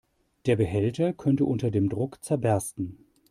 Der Behälter könnte unter dem Druck zerbersten.